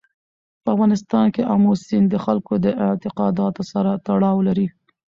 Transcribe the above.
په افغانستان کې آمو سیند د خلکو د اعتقاداتو سره تړاو لري.